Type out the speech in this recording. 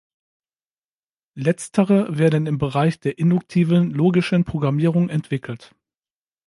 Letztere werden im Bereich der induktiven logischen Programmierung entwickelt.